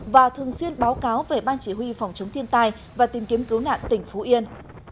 và thường xuyên báo cáo về ban chỉ huy phòng chống thiên tai và tìm kiếm cứu nạn tỉnh phú yên